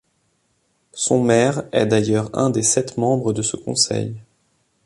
Son maire est d'ailleurs un des sept membres de ce conseil.